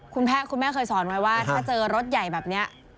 คุณแม่เคยสอนไว้ว่าถ้าเจอรถใหญ่แบบนี้